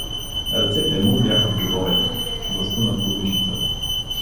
Ръцете му бяха в джобовете, бастунът под мишницата.